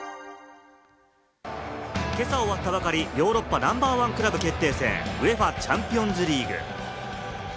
今朝、終わったばかり、ヨーロッパナンバーワンクラブ決定戦、ＵＥＦＡチャンピオンズリーグ。